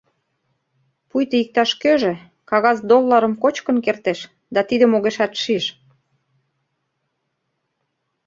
— Пуйто иктаж-кӧжӧ кагаз долларым кочкын кертеш да тидым огешат шиж.